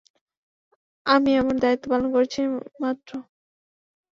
আমি আমার দায়িত্ব পালন করেছি মাত্র।